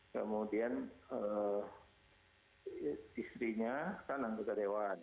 kemudian istrinya kanan sudah dewan